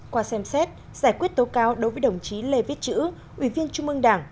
qua xem xét giải quyết tố cáo đối với đồng chí lê viết chữ ủy viên trung ương đảng